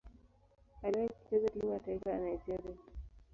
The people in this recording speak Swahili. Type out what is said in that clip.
Aliwahi kucheza timu ya taifa ya Nigeria.